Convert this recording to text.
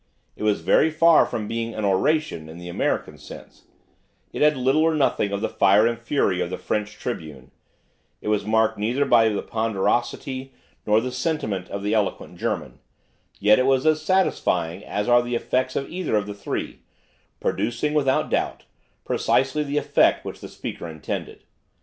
It was very far from being an 'oration' in the American sense; it had little or nothing of the fire and fury of the French Tribune; it was marked neither by the ponderosity nor the sentiment of the eloquent German; yet it was as satisfying as are the efforts of either of the three, producing, without doubt, precisely the effect which the speaker intended.